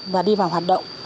và đi vào hoạt động